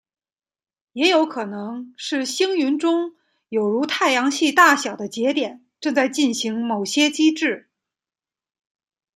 也有可能是星云中有如太阳系大小的节点正在进行某些机制。